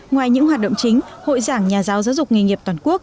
ngoài những hoạt động chính hội giảng nhà giáo giáo dục nghề nghiệp toàn quốc